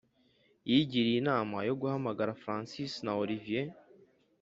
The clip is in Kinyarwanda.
yigiriye inama yo guhamagara francis na olivier